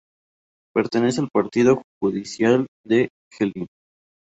Pertenece al partido judicial de Hellín.